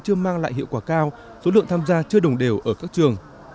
chưa mang lại hiệu quả cao số lượng tham gia chưa đồng đều ở các trường